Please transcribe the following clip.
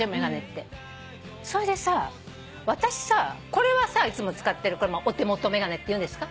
これはさいつも使ってるお手元眼鏡っていうんですか？